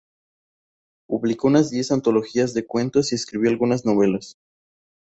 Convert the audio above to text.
Publicó unas diez antologías de cuentos y escribió algunas novelas.